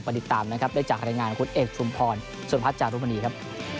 ปฏิตามนะครับได้จากฐานงานของคุณเอศชุมพรส่วนพัฒน์จาธุบรรณีครับ